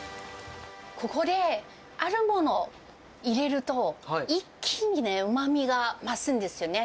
ここで、あるものを入れると、一気にね、うまみが増すんですよね。